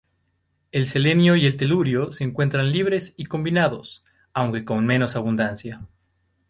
El selenio y el telurio se encuentran libres y combinados, aunque con menos abundancia.